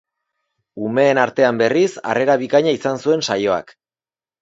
Umeen artean berriz, harrera bikaina izan zuen saioak.